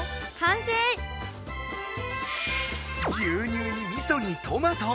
牛乳にみそにトマト。